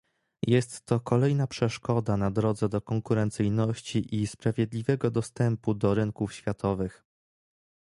Jest to kolejna przeszkoda na drodze do konkurencyjności i sprawiedliwego dostępu do rynków światowych